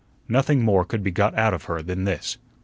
Nothing more could be got out of her than this.